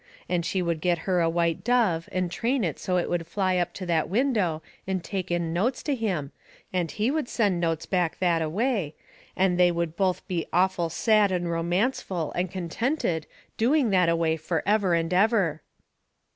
And she would get her a white dove and train it so it would fly up to that window and take in notes to him, and he would send notes back that away, and they would both be awful sad and romanceful and contented doing that a way fur ever and ever.